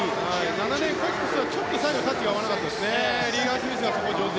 ７レーンのコックスは最後、タッチが合わなかったですね。